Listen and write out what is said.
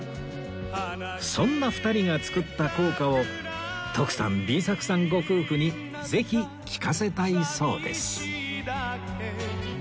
そんな２人が作った校歌を徳さん Ｂ 作さんご夫婦にぜひ聴かせたいそうです